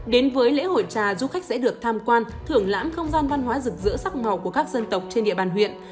đến với lễ hội trà du khách sẽ được tham quan thưởng lãm không gian văn hóa rực rỡ sắc màu của các dân tộc trên địa bàn huyện